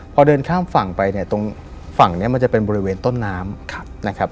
พอเดินข้ามฝั่งไปเนี่ยตรงฝั่งนี้มันจะเป็นบริเวณต้นน้ำนะครับ